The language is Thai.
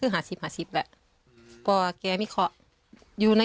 หาทริปแหละ